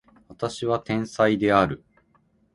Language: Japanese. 私は天才である